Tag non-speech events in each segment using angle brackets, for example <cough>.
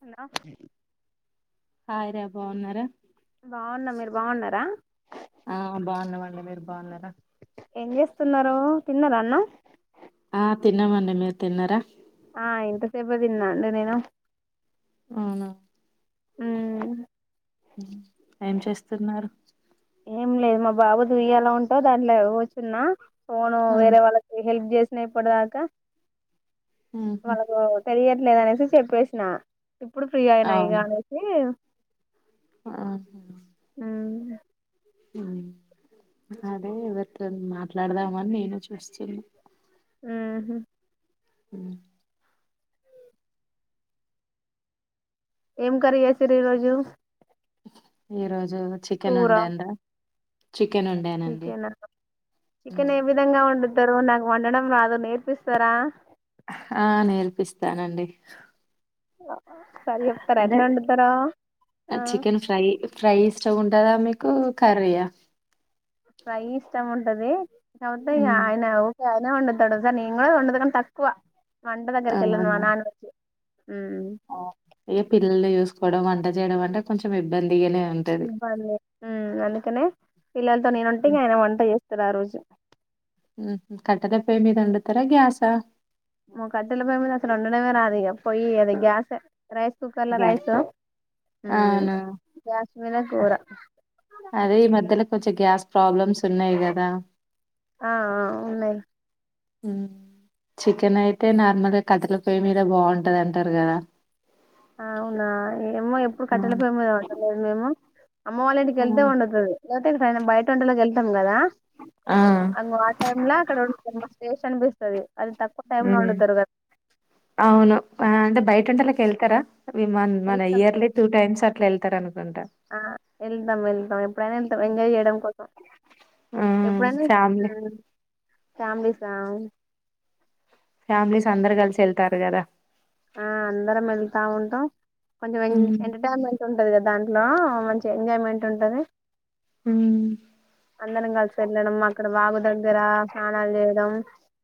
Hello hi రా బాగున్నారా బాగున్నా మీరు బాగున్నారా ఆ బాగున్నామండి మీరు బాగున్నారా ఏం చేస్తున్నారు తిన్నరా అన్నం ఆ తిన్నాం అండి మీరు తిన్నార ఆ ఇంతసేపే తిన్నా అండి నేను అవునా ఉ హ ఏం చేస్తున్నారు ఏం లేదు మా బాబుది ఊయ్యలా ఉంటే దాంట్లో కూచున్నా ఫోను ఆ వేరే వాళ్ళకి హెల్ప్ చేస్ సే ఇప్పడిదాక ఉహు వాళ్ళకు తెలియదు లేదా అనేసి చెప్పేసిన ఇప్పుడు ఫ్రీ అయినాయి ఇగ అనేసి ఆహా ఇంగా అదే ఎవరితోని మాట్లాడదామని నేను చూస్తున్నా ఉ హు ఉ ఏం కర్రీ చేసిరు ఈ రోజు ఈరోజు చికెన్ వండాను రా చికెన్ చికెన్ ఏ విధంగా వండు తరు నాకు వండడం రాదు నేర్పిస్తారా హా నేర్పిస్తానండి వా అంటే చికెన్ ఆ ఫ్రై ఫ్రై చ్చ ఉంటదా మీకు కర్రీయా ఫ్రై ఇష్టం ఉంటది కాకపోతే ఇక ఆయన అయినా వండుతాడు నేను గాని వండుతా కానీ తక్కువ వంట దగ్గరకి వెళ్ళను అవునా నాను వచ్చి ఉ పిల్లలు చూసుకోవడం వంట చేయడం అంటే కొంచెం ఇబ్బందిగనే మ్మ్ అందుకనే పిల్లలతో నేనుంటే ఆయన వంట చేస్తారు ఆ రోజు మ్మ్ హ్మ్ కట్ట కట్టయమీద వండుతారా గ్యాస మా కట్టెల పోయ్యి మీద అసలు వండుండమే రాదు ఇగ పొయ్యి అది గ్యాసే రైస్ కుక్కర్ల గ్యాస్. రైస్ మ్మ్ అవును. గ్యాస్ మీద కూర అదే ఈ మధ్యలో కొంచెం గ్యాస్ ప్రాబ్లమ్స్ ఉన్నాయి కదా ఆ ఆ ఉన్నయి హ్మ్ చికెన్ అయితే నార్మల్ గా కట్టెల పొయ్యి మీద బాగుంటది అంటారు కదా అవునా ఏమో ఎప్పుడు ఆ! కట్టెల పోయ్యి మీద వండలేదు మేము అమ్మ వాళ్ళంటికి ఆ! వెళ్తే వండుతది అతే ఇ బయట ఉండలోకిళ కదా ఆ! అంగ ఆ టై లో అక్కడ హ్మ్ స్టేష్ అనిపిస్తుంది హ అవును అంట బయట్ ఉంటలా కళ్తార మ మన వెళ్తాం ఇయర్లీ టూ టైమ్స్ అట్లా వె తరను వెళ్తాం వెళ్తాం ఎప్పుడైనా వెళ్తాం ఎంజాయ్ చేయడం కోసం ఆ! ఎప్పుడైనా ఫ్యామిలీ ఫ్యామిలీస్ ఫ్యామిలీస్ అందరు కలిసి వెళ్తారు కదా ఆ అందరం వెళ్తా ఉంటాం కొంచెం ఎ హ్మ్. ఎంటర్టైన్మెంట్ హ్మ్ ఉంటది కదా దాంట్లో మంచి ఎంజాయ్మెంట్ ఉంటది హ్మ్. అందరం కాలి సర్లేనమ్మా అక్కడ వాగుద దగ్గర స్ణాలు చేయడం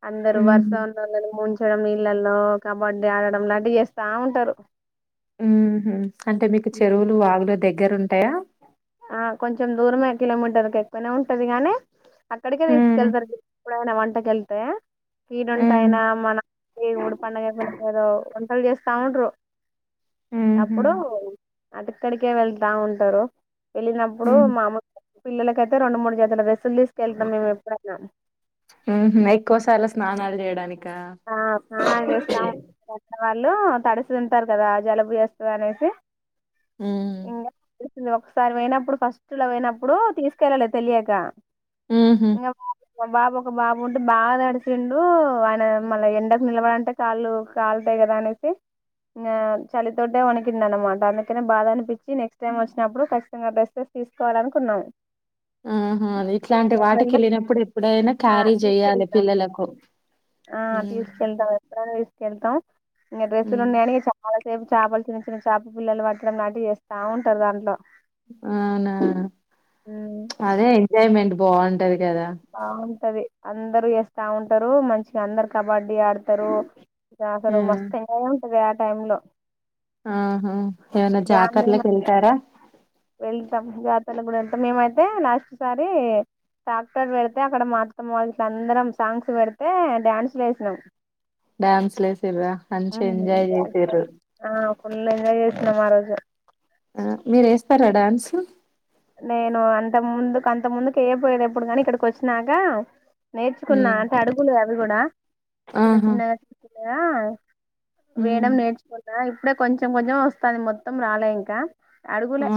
అందరు వర్సా హ్మ్. ఉన్న అ ము డం ఇళ్లల్లో కబడ్డీ అ ఆడడం లాంటివి చేస్తా ఉంటారు హ్మ్ అంటే మీకు చెరువులు వాగులు దగ్గరు ఉంటాయా ఆ కొంచెం దూరమే కిలోమీటర్కి ఎక్కువనే ఉంటది గాని అక్కడికే హ్మ్. తీసుకుకెళ్తారు ఎప్పుడైనా వంట గళ్తా హ్మ్. కీడుంటాయనా మన ఊడి పండగ అయిపోయి లేదో వంటలు చేస్తా ఉండు ఊహూ అప్పుడు అటుకడికే వెలిగి బా ఉంటారు వెళ్ళినప్పుడు హ్మ్ మామలుగా పిల్లలకు రెండు మూడు జతలు తెస్తే సలు తీసుకెళ్తాం మేము ఎప్పుడైనా ఉహు నైట్ కోస్తారా స్నానాలు చేయడానికి ఆ స్నానాలు చేస్తా ఉ లో తడిసి ఉంటారు కదా జలబు చేస్తుంది అనేసి మ్మ్ ఇంకా తెలిసింది ఒకసారి పోయినప్పుడు ఫస్ట్ లో పోయినప్పుడు తీసుకెళ్ళాలి తెలియక ఉహు ఇంగ మా బాబు ఒక బాబు ఉంటే బాగా తడిచిండు ఆయన మన ఎండకు నిలబడంటే కాళ్ళు కాలుతాయి కదా అనేసి చలితోటే వణకిండ అనమాట అందుకనే బాధ అనిపించి నెక్స్ట్ టైమ్ వచ్చినప్పుడు ఖచ్చితంగా డ్రెస్సెస్ తీసుకోవాల అనుకున్నాము ఆహా ఇట్లాంటి వాటికీ వెళ్ళినప్పుడు ఎప్పుడైనా ఆ క్యారీ చెయాలి తీసుకెళ్తాం పిల్లలకు ఆ హ్మ్. తీసుకెళ్తాం ఎ కెళ్తాం ఇ డ్రెస్లు హ్మ్. ఉన్నాయి అనీ చాలా రేపు చేపలు చిన్న చిన్న చేప పిల్లలు పట్టడం లాంటివి చేస్తా ఉంటారు దాంట్లో అవునా ఉమ్ అదే ఎంజాయ్ మెంట్ బాగు బాగుంటది అందరు వేస్తా ఉంటారు మంచిగా అందరు కబడ్డీ గడి ఆడతారు ఇంకా హ్మ్. మస్త ఎంజాయ్ అదే ఆ టైమ్మ్ లో ఆహా ఏవనా డ్యామ్ మేము జాతర్లకు వెళ్తారా వెళ్తాం లజాతర్లకు కూడా వెళ్తాం మేమైతే లాస్ట్ సారి టాక్టర్ పెడితే అక్కడ మాత్తమ్మ వాళ్ళు అందరం సాంగ్స్ పెడితే డ్యాన్సు వేసినాం డ్యాన్స్ లెస్ ఆ ఫుల్ నువ్వు అడుగు ఆ మీరు వేస్తారా డ్యాన్సు నేను అంత ముందుకు అంత ముందుకు వెయ్య పోయది ఎప్పుడు కాని ఇక్కడికి వచ్చినాక నేర్చుకున్నా హ్మ్. అంటే అడుగులు నువ్వు కూడా చిన్న ఆహా! చిన్న ఆ హ్మ్. వేయడం నేర్చుకొన్నా ఇప్పుడే కొంచెం కొంచెం వస్తుంది మొత్తం రాలే ఇంకా అడుగులే ఆ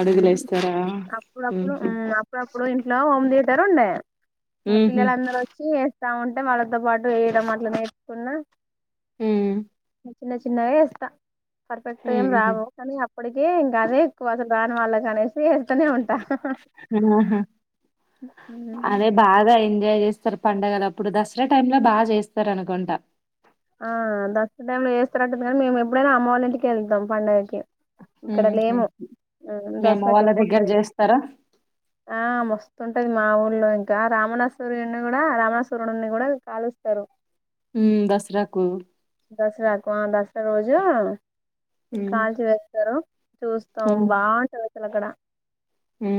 అడుగులు వ ఇస్తార ఇప్పుడు ఇంట్లో హోమ్ థీయేటర్ ఉండే ఇకా హుహు. పిల్లలందరు వచ్చి తా ఉంటే మళ్ కొంత పాటు వేయడం అట్లా నేర్చుకున్న హ్మ్. చిన్న చిన్నవి ఇస్తా పర్ఫెక్ట్ ఏం ఉహు రావు కానీ అప్పటిక ఇంకానే ఎక్కువ అసలు రాన్ వాలాగానే వేస్తనే ఉంటా ఆహా అదే బాగా ఎంజాయ్ చేస్తారు పండడుగల అప్పుడు దసరా టైమ్ లో బాగా చేస్తారు అనుకుంటా ఆ దసర టైంలో వస్తారట్టుంది కానీ మేము ఎప్పుడైనా అమ్మ వాళ్ళ ఇంటికి వెళ్తాం పండగకి ఇక్కడ ఉహు లేము మీ అమ్మ దసరాకి వాళ్ళ ఎప్పుడు దగ్గర లే చేస్తారా ఆ మస్తుంటది మా ఊ లో ఇంకా రామణస్వరుని కూడా రామణసు్వరుని కూడా కాలుస్తారు దసరాకు దసరాకున్ దస ఒక రోజు ఉమ్ కాల్చి వేస్తారు చూస్తాం బాగుంటంది సల కడా ఆ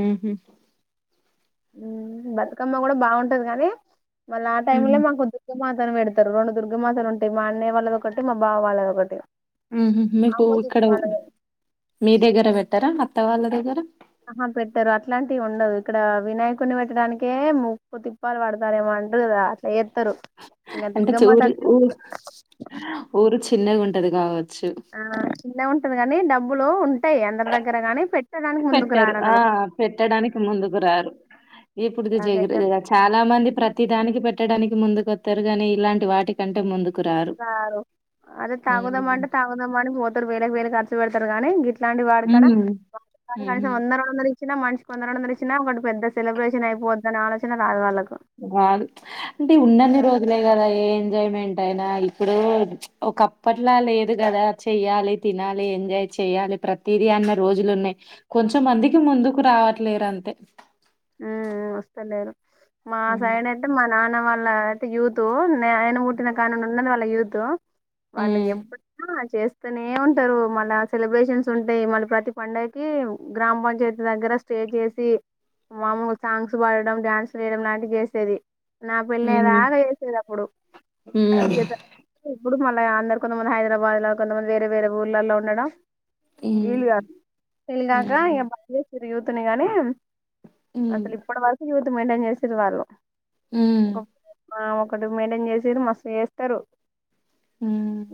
బతుకమ్మ కూడా బాగుంటది కానీ మళ్ ఆ టైమ్ లో మాకు ఉ పెడారు రెడుుర్గమాసాలు ఉంటాయి మా అన్నయ వాళ్ళద ఒకటి మా బావ వాళ్ళద ఒకటి మీకు ఆపోజిట్ ఇక్కడ వాళ్ళది మీ దగ్గర పెట్ట ఇతార అత వాళ్ళ దగార ఆహా పెట్టరు అట్లాంటివి ఉండదు ఇక్కడ వినాయకుడిని పెట్టడానికే ముప్పు తిప్పాలు పడతారేమోంటారు అట్లా ఎస్తరు ఇకా అంటే చు దుర్గమ్మత ఊరు అంట ఊరు ఊరు చిన్నగా ఉంటది కావదు ఆ చిన్న ఉంటుంది కాగానీ డబ్బు లో ఉంటాయి అందరి దగ్గర గాని పెట్ పెట్టారు ఆ పెట్టడానికి ఉమ్, ముందుకు రారు ఇప్పుడుది అదే జగ చాలా మంది ప్రతి దానికి పెట్టడానికి ముందుకు కొత్తరు గాని ఇలాంటి వాటి కంటే ముందు సారు అది ఉమ్ తాగుందమ్మంటే తాగుందమ్మడి మత్తరు వేల వేలు ఖర్చు పెడుతు గానే గట్ ఇలాంటి వాడు కాడ హ్మ్. వాడుడ హుహు. కనీసం వంద వంద చిన్న మానిషికి వంద రెండు వందలు ఇచ్చినా వాడు పెద్ద సెలబ్రేషన్ అయిపోద్ది దాని ఆలోచన నాకు రాలేదు రాదు. అంటే ఎడైనా ఇప్పుడు ఒకప్పట్లా లేదు కదా చెయ్యాలి తినాలి ఎంజాయ్ చెయ్యాలి ప్రతిదీ అన్న రోజులు ఉన్నాయి కొంచమందికి ముందుకు రావట్లేరు అంతే ఆమ్ వస్తలేరు మా హ్మ్. సైన్ అంటే మా నాన్న వాళ్ళ అలా అయితే యుతు ఆయన ఊట్టిన కాన్న ఉన్నది వాళ్ళ యుత్ ఇగో వాళ్ళు హ్మ్. ఎప్పుడైనా చేస్తూనే ఉంటారు మళ్ళా సెలబ్రేషన్స్ ఉంటాయి మళ్ళా ప్రతి పండుగకి గ్రామ పంచాయతీ దగ్గర స్టేజ్ ఏసి మామూలు సాంగ్స్ పడడం డ్యాన్స్లు వేయడం లాంటి చేసేది నా పెళ్ళి అయే హ్మ్. దాగా వేసేది అప్పుడు హ్మ్. ఇక ఇప్పుడు మళ్ళా అందరు కొంతమంది హైదరాబాద్ లో కొంతమంది వేరే వేరే ఊర్లలో ఉండడం హ్మ్. వీలుగాదు తెలిగాక హ్మ్. ఇంక బయసిరి యూతుని గాని హ్మ్. అసలు ఇప్పుడి వరకు యూత్ మెయింటైన్ చేసేరి వాళ్ళు హ్మ్. ఓ ఆ ఒకటి మైంటైన్ చేసేది మస్తు చేస్తారు ఉమ్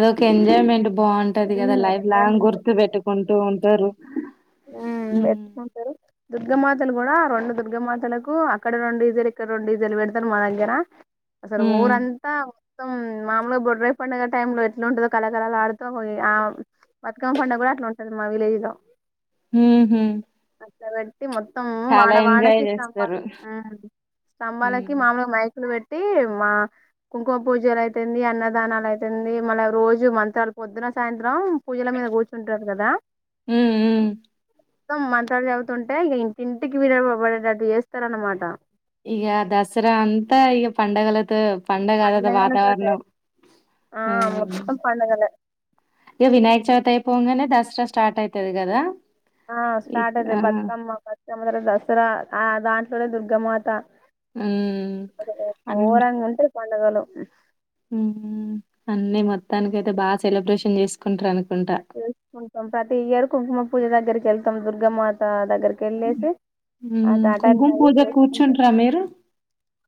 ఉమ్, ఎంజాయ్మెంట్ బాగుంటు టది కదా లైఫ్ లాంగ్ గుర్తు పెట్టుకుంటు ఉంటారు హమ్ హ్మ్. గట్టిగా ఉంటారు దుర్గమాతలు కూడా రెండు దుర్గమాతలకు అక్కడ రెండు డిజెలు ఇక్కడ రెండు డిజెలు పెడతారు మా దగ్గర అసలు హ్మ్. ఊరంతా మొత్తం మామూలుగా బొర్రై పండుగ టై లో ఎట్లా ఉంటో కళాకళలు ఆడుతూ ఆ బతుకమ్మ పండుగ కూడా అట్లా ఉంటది మా విలేజ్ లో హుమ్ హు కావాలి మొత్తం వాడవాడకి స్తంభాల జేస్తారు. స్తంభాలకి హ్మ్. మామూలుగా మైకులు పెట్ ట్టి మా కుంకుమ పూజలు అయితుంది అన్నదానాలు అయితుంది మళ్ళీ రోజు మంత్రాలు పొద్దున సాయంత్రం పూజల మీద కూర్చుంటారు కదా హ్మ్. హ్మ్. మొత్తం మంత్రాలు చదువుతుంటే ఇక ఇంటింటికి విడబడే అటు చేస్తారన్న మాట ఈగ దసరా అంతా ఈగ పండుగలతో పండగలద పండగల తోటే వాతావరణం ఆ మొత్తం పండగలే ఇక వినాయక చవితి అయిపోంగానే దసరా స్టార్ట్ అవుతది కదా ఆ స్టార్ట్ అయిది బతుమ్మ బతుకమ్మ తర్వతా దసరా ఆ దాంట్లోనే దుర్ గమాత హ్మ్. ఓరంగా ఉంట పండగలు ఉం అన్నిీ మొత్తానికి అయితే బాగా సెలబ్రేషన్ చేసుకుంటారను చేసుకుంటాం ప్రతి ఇయరు కుంకుమ పూజ దగ్గరికి కెళ్తామ్ దుర్గ మాత దగ్గర్ కెల్లెసి అట హ్మ్. ట కుంకుమ అన్నది పూజ చేసుకుంటాం కూర్చుంటరా మీరు?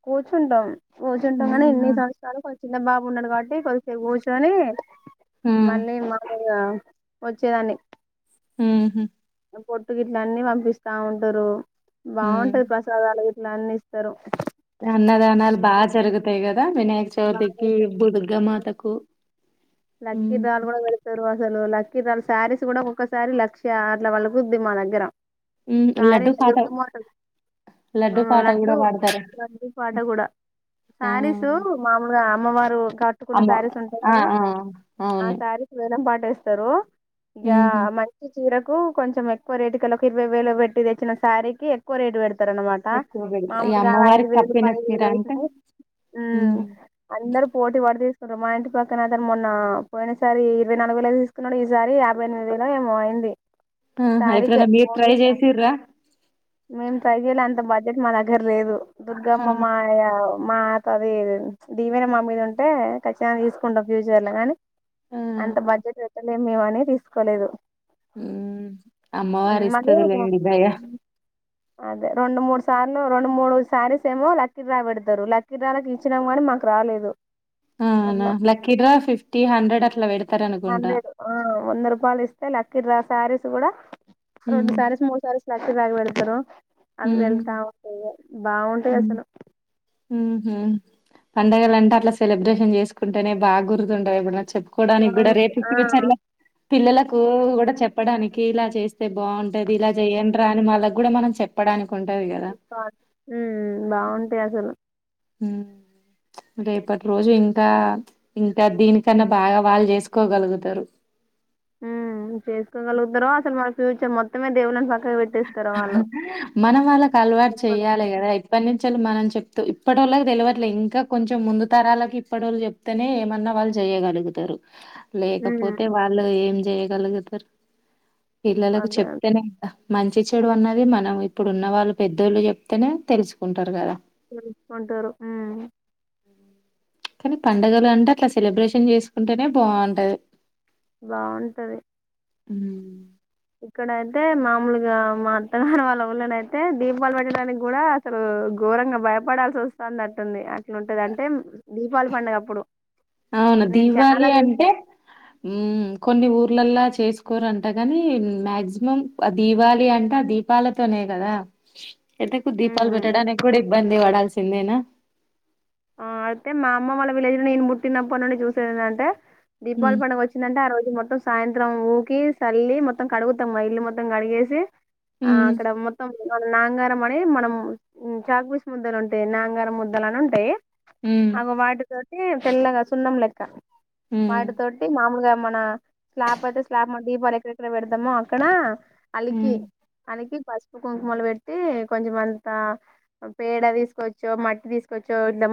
కూర్చుంటాం కూర్చుంటాం కానీ అవునా! ఎన్ని సంవత్సరలకొ చిన్న బాబు ఉన్నడు కాబట్ ట్టి కొద్దిసేపు కుచ్చొని ఆ! మళ్ళీ మ వచ్చేదాన్ని ఉహు పొట్టు గిట్ల అన్ని పంపిస్తా ఉంటారు హ్మ్. బాగుంటాది ప్రసాదాలు గి ట్ల అన్ని ఇస్తారు అన్నదానాలు బాగా జరుగుతాయ్ క దా వినాయక చవితిరికి బాగా బుదుగా మాతకు లక్కి డ్రాల్ కూడా పెడుతరు అసలు లక్కి డ్రాల్ శారీస్ కూడా ఒక్కొక్కసారి లక్ష అట్ల పలుకుద్ది మా దగ్గర హ్మ్. లడ్డు శారీస్ పాట ఉం పాట గూడా లడ్డు పాడతారు. లడ్డు పాట కూడా ఆ! శారీసు మామగా అమ్మవారు కట్టుకున్న అమ్మ శారీస్ ఉంటాయి ఆ! కదా ఆ! ఆ అవును. సారిస్ వే లం పాటేస్తారు ఇగా హుహు. మంచింది చీరకు కొంచెం ఎక్కువ రేటు కల ఒక ఇరవై వేలు పెట్టి తెచ్చిన శారీకి ఎక్కువ రేటు పెడు తర నమాట ఎక్కువ బెడతా ఈ మామూలుగా ఐదు అమ్మవారికి వేలు కప్పిన పది చీర వేలు అంటే <unintelligible> ఉం హ్మ్. అందరు పోటీ పడి తీసు ప్పుడు మా ఇంటి పక్కన ఐతారు మొ అ పోయిన సారి ఇరవై నాలుగు వేలు తీసుకున్నాడు ఈసారి యాభై ఎనిమిది వేలు ఏమో అయింది ఆహా! సారీకే ఎప్పుడైనా మీరు ఓన్లీ ట్రై సారీ జేసిర్రా? మేం ట్రై చేయలే అంత బ సి మా దగ్గర లేదు ఆ! దుర్గమ్మ మాయా మా త అది దీవేన మా మీద ఉంటే ఖచ్చితంగా తీసుకుంటాం ఫ్యూ చర్ ల కనీ ఆ! అంత బడ్జెట్ పెట్టలేం మేం అని తీసుకోలేదు ఉమ్ ఉమ్, మళ్ళీ అమ్మవారిస్తది లేండి దయా అదే రెండు మూడు సార్లు రెండు మూడు సారీస్ ఏమో లక్కి రా పెడతారు లక్కి డ్రాలకి ఇచ్చినాము కానీ మాకు రాలేదు అవునా అట్లా లక్కి డ్రా అట్లా బెడతారనుకుంటా. హండ్రెడ్ ఉ వంద రూపాయలు ఇస్తే లక్కి డ్రా సారీస్ కూడా రెడ్డు హ్మ్. సారస్ మూడు సారస్ లట్టే తాగి వెళ్తారు అది హ్మ్. వెళ్తా ఉంట బాగుంటాయి అసలు ఉహూ పండగలు అంటే అట్లా సెలబ్రేషన్ చేసుకుంటేనే బాగా గుర్తుంటాయి ఏమో చెప్పుకోవడానికి కూడా బాగుంటాయి రేపు ఆ ఫ్యూచర్ లో పిల్లలకు కూడా చెప్పడానికి ఇలా చేస్త తే బాగుంటది ఇలా చెయ్యండ్రా అని మళ్ళ కూడా మనం చెప్పడానికి ఉంటది గదా ఉమ్ బాగుంటాయి అసలు ఉమ్ ప్చ్ రేపటి రోజు ఇంకా ప్చ్ ఇంకా దీనికన్నా బాగా వాళ్ళు చేసుకోగలుగుతారు ఉమ్ చేసుకోగలగుతారో అసలు మన ఫ్యూచర్ మొత్తమే దేవుళ్ళని పక్కకు పెట్టేస్తారు వాళ్ళు మనం వాళ్ళకు అలవాటు చెప్పలేం చెయ్యాలి కదా ఇప్పటి నుంచి వాళ్ళు మనం చెప్తూ ఇప్పటి వోళ్ళకి తెలియట్లేదు ఇంకా కొంచెం ముందు తరాలకి ఇప్పటి వోళ్ళు చెప్తేనే ఏమన్నా వాళ్ళు చేయగలుగుతారు ఉమ్ లేకపోతే వాళ్ళు ఏం చేయగలుగుతారు పిల్లలకు అదే చెప్తేనే ఇంకా మంచి చెడు అన్నది మనం ఇప్పుడు ఉన్న వాళ్ళు పెద్దోళ్ళు చెప్తేనే తెలుసుకుంటారు కదా తెలుసుకుంటారు ఉమ్ కానీ పండగలు అంటే అట్లా సెలబ్రేషన్ చేసుకుంటేనే బాగుంటది బాగుంటది ఉమ్ ఇక్కడయితే మామూలుగా మా అత్తగారి వాళ్ళ ఊళ్ళోన అయితే దీపాలు పెట్టడానికి కూడా అసలు ఘోరంగా భయపడాల్సి వస్తాన్నట్టుంది అట్లుంటది అంటే దీపావళి పండుగ అప్పుడు అవునా నేను దీపావళి చాలా చూ అంటే ఉమ్ కొన్ని ఊరు ఊర్లలా చేసుకోరంట కాని మాక్సిమం ఆ దీవాలి అంటే ఆ దీపాలతోనే కదా అయితే కు దీపాలు ఉమ్ పెట్టడానికి కూడా ఇబ్బంది పడాల్సిందేనా ఆ అయితే మా అమ్మ వాళ్ళ విలేజ్ లో నేను పుట్టినప్పటి నుండి చూసేది ఏంటంటే దీపావలి మ్మ్ పండుగ వచ్చిందంటే ఆ రోజు మొత్తం సాయంత్రం ఊ కి సల్లి మొత్తం కడుగుతాం ఇల్లు మొత్తం కడిగేసి ఆ మ్మ్ అక్కడ మొత్తం మన నాంగారం అని మనం చాక్పీసు ముద్దలు ఉంటాయి నాంగారం ముద్దలు అని ఉంటాయి మ్మ్ ఆ వాటితోటి ఏ తెల్లగా సున్నాం లెక్క మ్మ్ వాటి తోటి మాములుగా మన స్లాబ్ అయితే స్లాబ్ మన దీపాలు ఎక్కడెక్కడ పెడదామో అక్కడ అలికి మ్మ్ అలికి పసుపు కుంకుమలు పెట్టి కొంచెంమంతా పేడ తీసుకోవచ్చు మట్టి తీసుకోవచ్చు ఇ